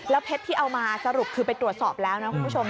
เพชรที่เอามาสรุปคือไปตรวจสอบแล้วนะคุณผู้ชม